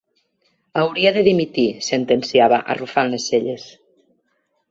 Hauria de dimitir, sentenciava, arrufant les celles.